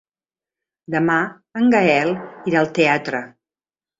Demà en Gaël irà al teatre.